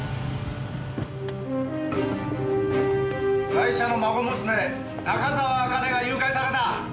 ガイシャの孫娘中沢茜が誘拐された！